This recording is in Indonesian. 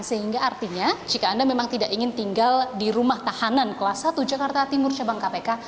sehingga artinya jika anda memang tidak ingin tinggal di rumah tahanan kelas satu jakarta timur cabang kpk